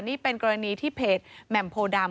นี่เป็นกรณีที่เพจแหม่มโพดำ